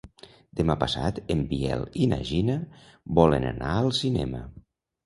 Demà passat en Biel i na Gina volen anar al cinema.